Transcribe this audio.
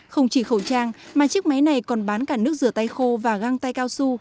không chỉ khẩu trang mà chiếc máy này còn bán cả nước rửa tay khô và găng tay cao su